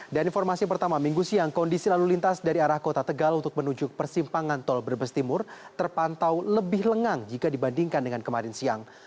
dan informasi pertama minggu siang kondisi lalu lintas dari arah kota tegal untuk menuju persimpangan tol brebes timur terpantau lebih lengang jika dibandingkan dengan kemarin siang